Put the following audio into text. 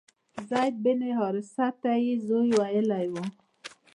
زید بن حارثه ته یې زوی ویلي و.